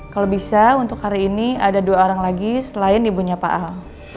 kalau bisa untuk hari ini ada dua orang lagi selain ibunya pak al